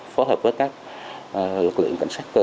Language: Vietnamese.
phối hợp với các lực lượng